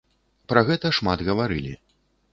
Пра гэта шмат гаварылі.